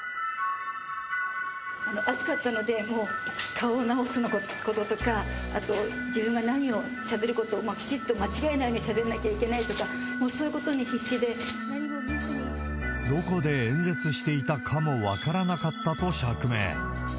暑かったので、もう顔を直すこととか、あと、自分が何をしゃべること、きちっと間違えないようにしゃべんなきゃいけないとか、そういうどこで演説していたかも分からなかったと釈明。